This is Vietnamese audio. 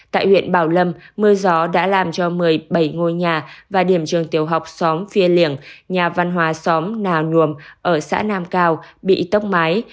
tại huyện bảo lâm mưa gió đã làm cho một mươi bảy ngôi nhà và điểm trường tiểu học xóm phiêng nhà văn hóa xóm nà nùm ở xã nam cao bị tốc mái